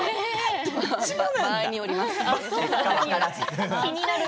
場合によります。